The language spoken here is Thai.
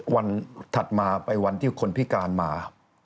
ถัดมาไปวันที่คนพิการมา